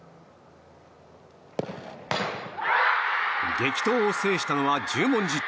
激闘を制したのは十文字。